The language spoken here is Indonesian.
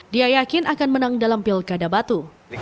dia yakin akan menang dalam pilkada batu